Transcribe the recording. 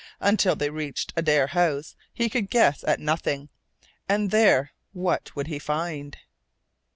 Until they reached Adare House he could guess at nothing. And there what would he find?